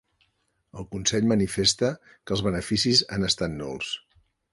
El Consell manifesta que els beneficis han estat nuls